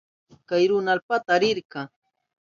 Kay runa allpata rirka.